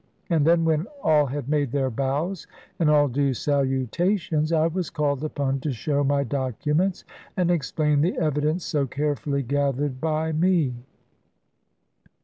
And then when all had made their bows and all due salutations, I was called upon to show my documents and explain the evidence so carefully gathered by me.